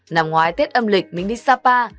năm ngoái tết âm lịch mình đi sapa